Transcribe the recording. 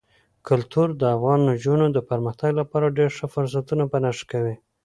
کلتور د افغان نجونو د پرمختګ لپاره ډېر ښه فرصتونه په نښه کوي.